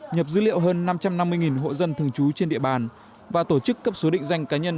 nhập dữ liệu hơn năm trăm năm mươi hộ dân thường trú trên địa bàn và tổ chức cấp số định danh cá nhân